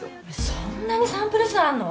そんなにサンプル数あんの？